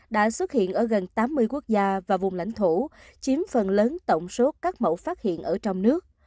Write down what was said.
đã xuất hiện ở gần tám mươi quốc gia và vùng lãnh thổ chiếm phần lớn tổng số các mẫu phát hiện ở trong nước